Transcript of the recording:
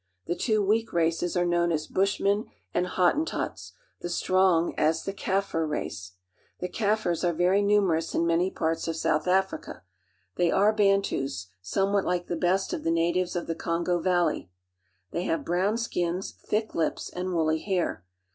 The two weak races are known as Bushmen and Hottentots; the strong one as the Kaffir race. The Kaffirs are very numerous in many parts of South Africa. They are Bantus. somewhat like the best of the I u lIllLlCa, III ^^1 The tW' ^^H Africa. KaiRr village. natives of the Kongo valley. They have brown skins, thick lips, and woolly hair.